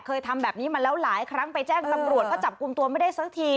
ทำแบบนี้มาแล้วหลายครั้งไปแจ้งตำรวจก็จับกลุ่มตัวไม่ได้สักที